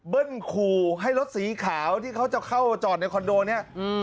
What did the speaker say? เบิ้ลคูให้รถสีขาวที่เขาจะเข้าจอดในคอนโดนี้อืม